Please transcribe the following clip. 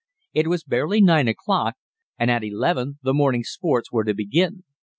It was barely nine o'clock, and at eleven the morning's sports were to begin.